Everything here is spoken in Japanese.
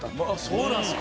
そうなんですか？